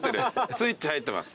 スイッチ入ってます。